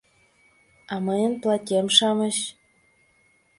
— А мыйын платьем-шамыч!